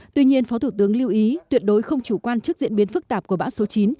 tuy nhiên phó thủ tướng lưu ý tuyệt đối không chủ quan trước diễn biến phức tạp của bão số chín